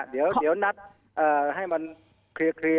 เดี๋ยวนัดให้มันเคลียร์